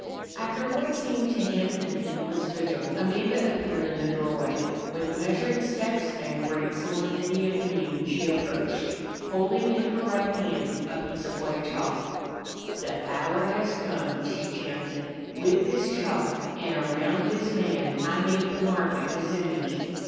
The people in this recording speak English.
After what seemed to him an endless vigil, Amanda appeared in the doorway. With measured steps and great solemnity of mien, she approached, holding in her right hand a piece of white chalk. "De hour has come," she chanted. "With this chalk, an' around this man, I make the mark of his image."